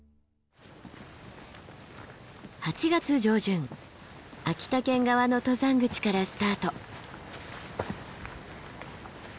８月上旬秋田県側の登山口からスタート。